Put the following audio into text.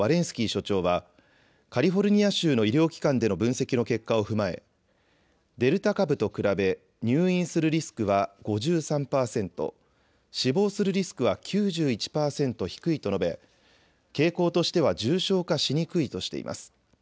スキー所長はカリフォルニア州の医療機関での分析の結果を踏まえデルタ株と比べ入院するリスクは５３％、死亡するリスクは９１％低いと述べ、傾向としては重症化しにくいとしています。